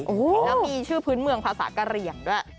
แล้วมีชื่อพื้นเมืองภาษากะเหลี่ยงด้วย